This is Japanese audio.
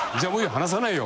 話さないよ！